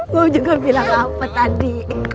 gue juga bilang apa tadi